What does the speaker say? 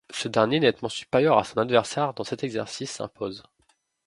Ce dernier, nettement supérieur à son adversaire dans cet exercice, s'impose.